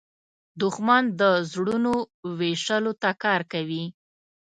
دښمن د زړونو ویشلو ته کار کوي